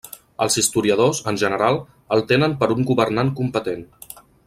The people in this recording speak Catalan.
Els historiadors, en general, el tenen per un governant competent.